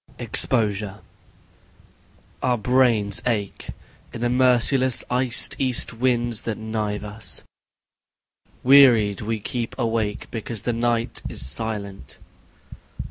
Exposure I Our brains ache, in the merciless iced east winds that knife us ... Wearied we keep awake because the night is silent